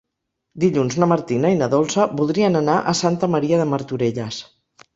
Dilluns na Martina i na Dolça voldrien anar a Santa Maria de Martorelles.